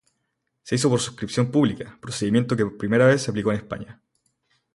Se hizo por suscripción pública, procedimiento que por primera vez se aplicó en España.